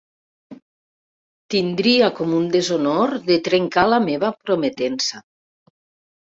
Tindria com un deshonor de trencar la meva prometença.